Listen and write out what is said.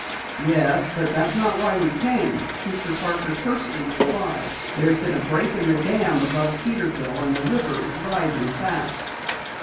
"Yes, but that's not why we came," Mr. Parker tersely replied. "There's been a break in the dam above Cedarville and the river is rising fast!"